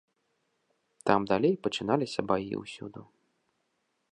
Там далей пачыналіся баі ўсюды.